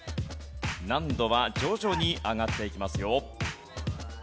難度は徐々に上がっていきますよ。